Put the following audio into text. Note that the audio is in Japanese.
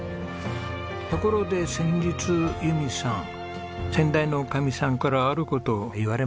ところで先日由美さん先代の女将さんからある事を言われましたよね。